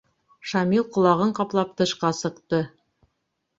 Шамил ҡолағын ҡаплап тышҡа сыҡты: